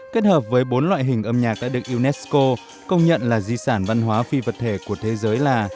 kết hợp với bốn loại hình âm nhạc đã được unesco công nhận là di sản văn hóa phi vật thể của thế giới là